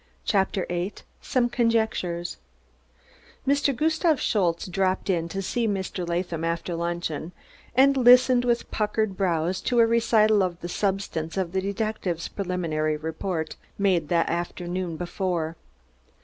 CHAPTER VIII SOME CONJECTURES Mr. Gustave Schultze dropped in to see Mr. Latham after luncheon, and listened with puckered brows to a recital of the substance of the detective's preliminary report, made the afternoon before.